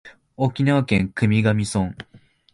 沖縄県国頭村